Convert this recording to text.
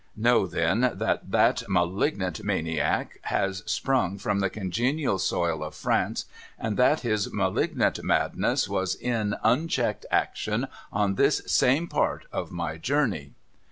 Know, then, that that malignant maniac has sprung from the congenial soil of France, and that his malignant madness was in unchecked action on this same part of my journey.'